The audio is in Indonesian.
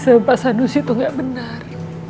sama pak sanusi tuh gak benar